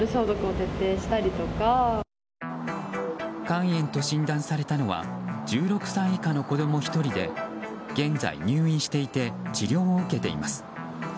肝炎と診断されたのは１６歳以下の子供１人で現在、入院していて治療を受けています。